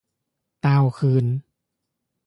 ຕ່າວຄືນ